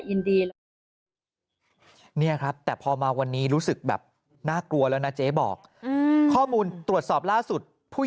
ตอนนี้เลยเอาไปส่งให้ตำรวจสอบพอบั้นฝ่างตรวจสอบแล้วเรียบร้อย